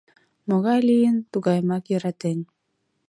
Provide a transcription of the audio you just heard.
Могай лийын, тугайымак йӧратен.